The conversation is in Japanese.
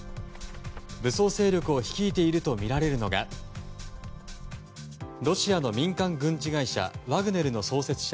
武装勢力を率いているとみられるのがロシアの民間軍事会社ワグネルの創設者